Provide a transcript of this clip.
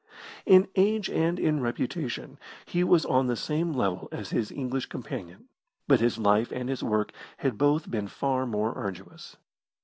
In age and in reputation he was on the same level as his English companion, but his life and his work had both been far more arduous.